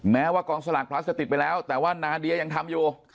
แม้ว่ากองสลากพลัสจะติดไปแล้วแต่ว่านาเดียยังทำอยู่